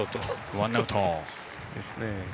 ワンアウト。